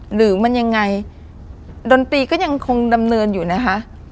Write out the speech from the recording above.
หรือมันยังไงดนตรีก็ยังคงดำเนินอยู่นะคะ